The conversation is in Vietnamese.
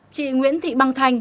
chị nguyễn thị băng thanh